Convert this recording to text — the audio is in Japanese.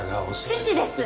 父です